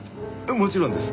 もちろんです。